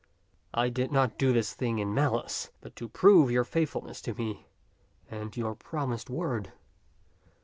I did not do this thing in malice, but to prove your faithfulness to me and to your promised word."